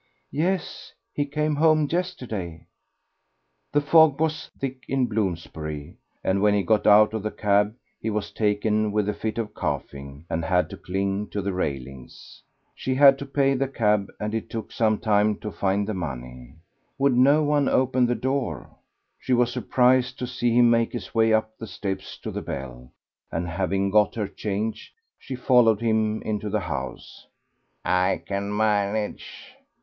"Yes, he came home yesterday." The fog was thick in Bloomsbury, and when he got out of the cab he was taken with a fit of coughing, and had to cling to the railings. She had to pay the cab, and it took some time to find the money. Would no one open the door? She was surprised to see him make his way up the steps to the bell, and having got her change, she followed him into the house. "I can manage.